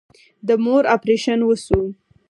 د مور اپريشن وسو.